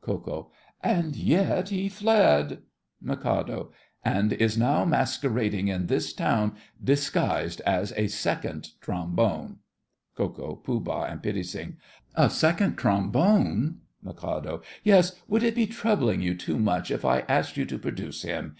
KO. And yet he fled! MIK. And is now masquerading in this town, disguised as a Second Trombone. KO., POOH., and PITTI. A Second Trombone! MIK. Yes; would it be troubling you too much if I asked you to produce him?